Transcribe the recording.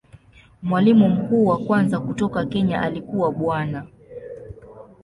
Mwalimu mkuu wa kwanza kutoka Kenya alikuwa Bwana.